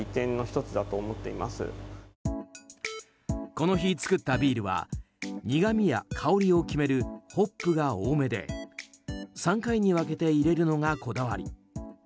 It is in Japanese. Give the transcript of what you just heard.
この日作ったビールは苦みや香りを決めるホップが多めで、３回に分けて入れるのがこだわり。